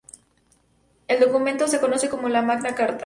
El documento se conoce como la "Magna Carta".